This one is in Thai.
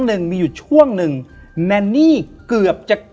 และยินดีต้อนรับทุกท่านเข้าสู่เดือนพฤษภาคมครับ